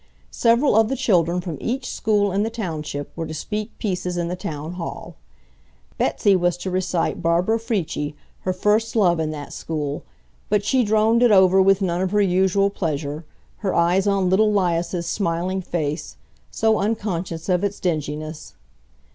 Several of the children from each school in the township were to speak pieces in the Town Hall. Betsy was to recite BARBARA FRIETCHIE, her first love in that school, but she droned it over with none of her usual pleasure, her eyes on little 'Lias's smiling face, so unconscious of its dinginess.